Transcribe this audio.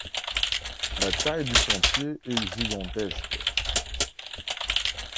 La taille du chantier est gigantesque.